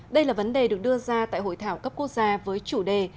đây là vấn đề được đưa ra tại hội thảo cấp quốc gia với chủ đề